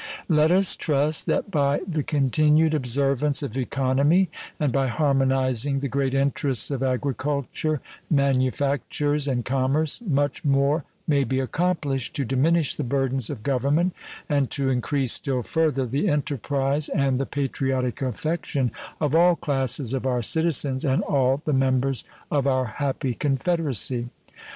Let us trust that by the continued observance of economy and by harmonizing the great interests of agriculture, manufactures, and commerce much more may be accomplished to diminish the burdens of government and to increase still further the enterprise and the patriotic affection of all classes of our citizens and all the members of our happy Confederacy.